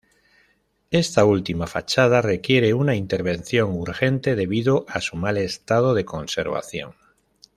Esta última fachada requiere una intervención urgente debido a su mal estado de conservación.